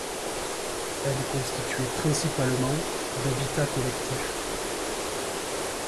Elle est constituée principalement d'habitat collectif.